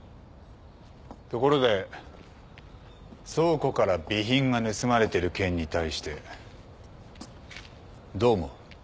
ところで倉庫から備品が盗まれてる件に対してどう思う？